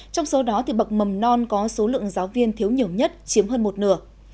trong số đó bậc mầm non có số lượng giáo viên thiếu nhiều nhất chiếm hơn một nửa